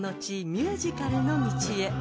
ミュージカルの道へ］